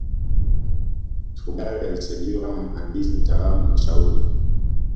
Mfugale alisajiliwa kama mhandisi mtaalamu na mshauri